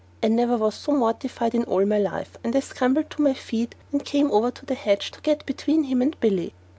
I never was so mortified in all my life, and I scrambled to my feet and came over to the hedge to get between him and Billy.